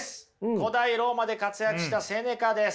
古代ローマで活躍したセネカです。